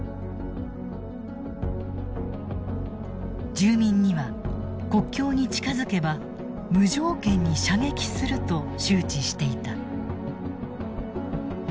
住民には国境に近づけば無条件に射撃すると周知していた。